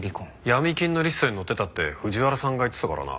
闇金のリストに載ってたって藤原さんが言ってたからな。